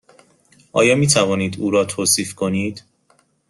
آیا می توانید او را توصیف کنید؟